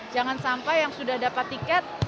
jangan sampai yang sudah dapat tiket